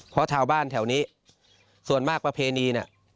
เพราะชาวบ้านแถวนี้ส่วนมากประเพณีเนี่ย